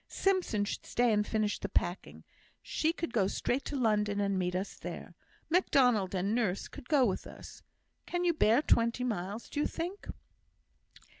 Simpson should stay and finish the packing; she could go straight to London and meet us there. Macdonald and nurse could go with us. Could you bear twenty miles, do you think?"